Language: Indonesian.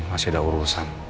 masih ada urusan